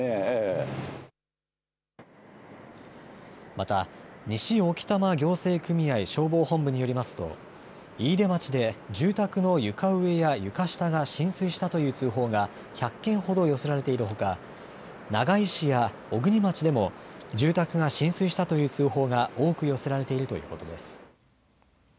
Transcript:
また、西置賜行政組合消防本部によりますと、飯豊町で住宅の床上や床下が浸水したという通報が、１００件ほど寄せられているほか、長井市や小国町でも、住宅が浸水したという通報が多く寄せられているということです。